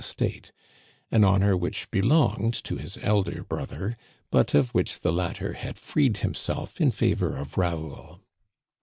107 estate — an honor which belonged to his elder brother, but of which the latter had freed himself in favor of Raoul.